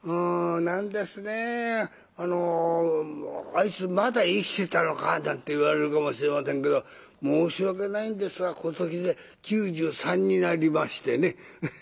何ですねえ「あいつまだ生きてたのか」なんて言われるかもしれませんけど申し訳ないんですが今年で９３になりましてね。